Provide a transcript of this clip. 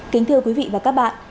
kính thưa quý vị và các bạn